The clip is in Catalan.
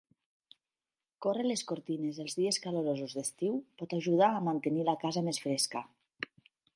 Córrer les cortines els dies calorosos d'estiu pot ajudar a mantenir la casa més fresca.